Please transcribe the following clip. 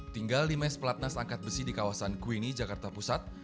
tinggal di mes pelatnas angkat besi di kawasan kuini jakarta pusat